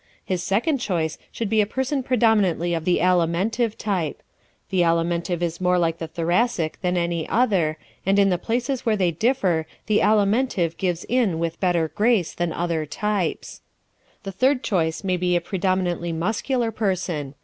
His second choice should be a person predominantly of the Alimentive type. The Alimentive is more like the Thoracic than any other, and in the places where they differ the Alimentive gives in with better grace than other types. The third choice may be a predominantly Muscular person.